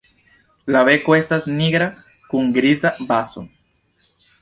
La beko estas nigra kun griza bazo.